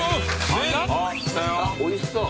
おいしそう。